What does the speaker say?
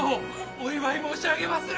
お祝い申し上げまする！